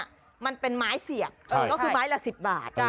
ที่เราเห็นมันเป็นไม้เสียบแล้วคือไม้ละ๑๐บาท